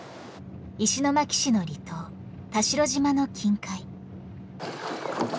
石巻市の離島田代島の近海。